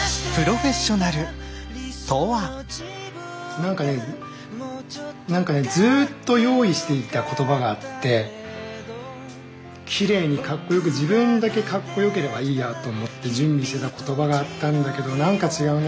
なんかねなんかねずっと用意していた言葉があってきれいにかっこよく自分だけかっこよければいいやと思って準備してた言葉があったんだけどなんか違うな。